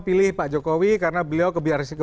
pilih pak jokowi karena beliau kebiasaan